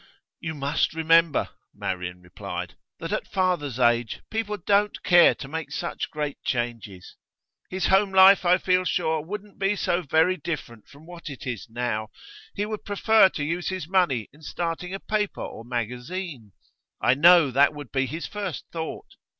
'You must remember,' Marian replied, 'that at father's age people don't care to make such great changes. His home life, I feel sure, wouldn't be so very different from what it is now; he would prefer to use his money in starting a paper or magazine. I know that would be his first thought.